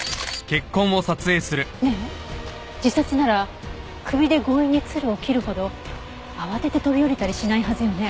ねえ自殺なら首で強引につるを切るほど慌てて飛び降りたりしないはずよね？